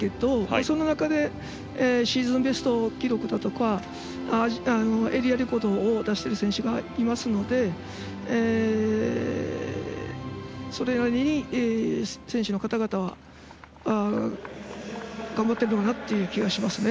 そんな中でシーズンベスト記録だとかエリアレコードを出している選手がいますのでそれなりに選手の方々は頑張ってるなという気がしますね。